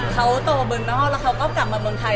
เขาโตเมืองนอกแล้วเขาก็กลับมาเมืองไทย